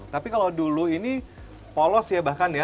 tapi kalau dulu ini polos ya bahkan ya